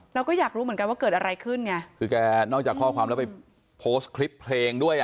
เราก็อยากรู้เหมือนกันว่าเกิดอะไรขึ้นไงคือแกนอกจากข้อความแล้วไปโพสต์คลิปเพลงด้วยอ่ะ